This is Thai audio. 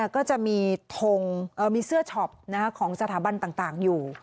ก็จะมีเสื้อช็อปของสถาบันต่างอยู่